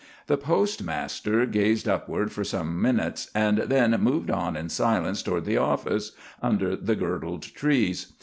The postmaster gazed upward for some minutes, and then moved on in silence toward the office, under the girdled trees.